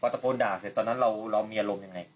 ตะโกนด่าเสร็จตอนนั้นเรามีอารมณ์ยังไง